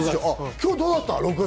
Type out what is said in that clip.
今日どうだった？